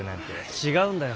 違うんだよ。